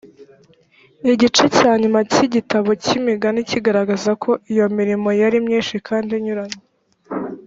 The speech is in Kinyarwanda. igice cya nyuma cy igitabo cy imigani kigaragaza ko iyo mirimo yari myinshi kandi inyuranye